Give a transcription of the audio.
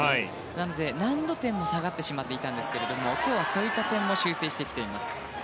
なので、難度点も下がってしまっていたんですけれども今日はそういった点も修正してきています。